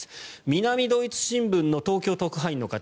南ドイツ新聞の東京特派員の方。